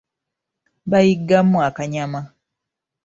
Bayiggamu akanyama.